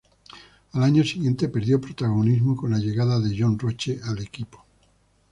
Al año siguiente perdió protagonismo, con la llegada de John Roche al equipo.